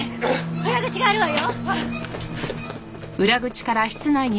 裏口があるわよ。